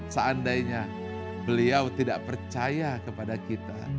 seandainya beliau tidak percaya kepada kita